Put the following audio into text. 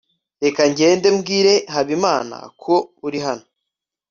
reka ngende mbwire habimana ko uri hano